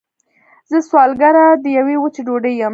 زه سوالګره د یوې وچې ډوډۍ یم